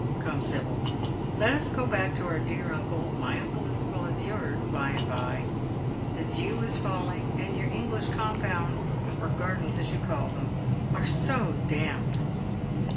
Come, Sibyl, let us go back to our dear uncle — my uncle as well as yours, by and bye. The dew is falling, and your English compounds — or gardens, as you call them — are so damp."